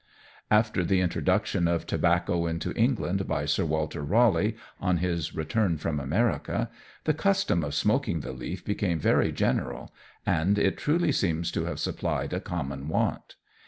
After the introduction of tobacco into England by Sir Walter Raleigh on his return from America, the custom of smoking the leaf became very general, and it truly seems to have supplied a common want.